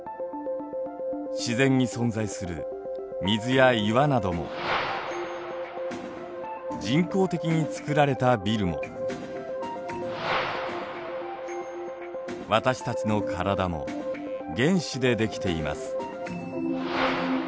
自然に存在する水や岩なども人工的に造られたビルも私たちの体も原子で出来ています。